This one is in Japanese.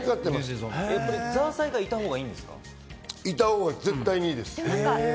ザーサイがいたほうがいたほうが絶対にいいです。